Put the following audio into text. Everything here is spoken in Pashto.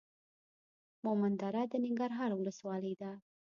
مومندره د ننګرهار ولسوالۍ ده.